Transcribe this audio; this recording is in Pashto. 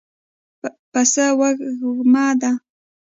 پسه وږمه ده.